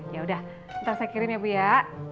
yaudah nanti saya kirim ya bu ya